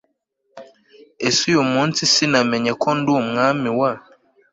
Ese uyu munsi sinamenye ko ndi umwami wa